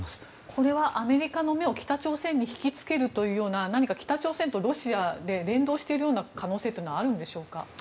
これはアメリカの目を北朝鮮に引き付ける何か北朝鮮とロシアで連動しているような可能性はありますか。